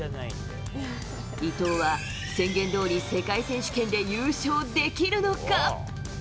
伊藤は宣言どおり世界選手権で優勝できるのか。